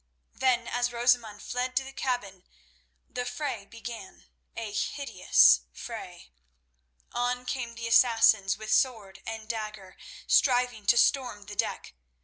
Then, as Rosamund fled to the cabin, the fray began, a hideous fray. On came the Assassins with sword and dagger, striving to storm the deck.